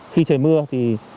khi trời mưa thì